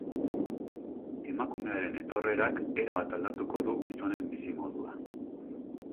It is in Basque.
Emakumearen etorrerak erabat aldatuko du gizonen bizimodua.